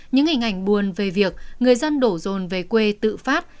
những hình ảnh buồn về việc người dân đổ rồn về quê tự phát